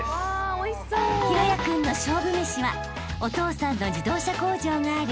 ［大也君の勝負めしはお父さんの自動車工場がある］